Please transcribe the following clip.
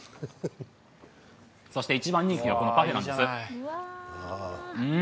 そして一番人気がこのパフェなんです。